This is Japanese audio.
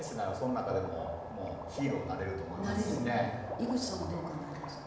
井口さんはどう考えられますか？